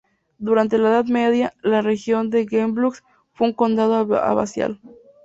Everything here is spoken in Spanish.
Durante la Edad Media, la región de Gembloux fue un condado abacial.